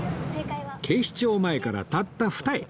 警視庁前からたった２駅。